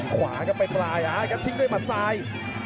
ขวาก็ไปปลายทิ้งด้วยมัดซ้าย